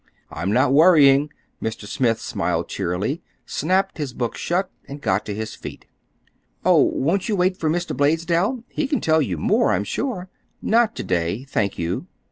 "I'm not worrying!" Mr. Smith smiled cheerily, snapped his book shut and got to his feet. "Oh, won't you wait for Mr. Blaisdell? He can tell you more, I'm sure." "Not to day, thank you.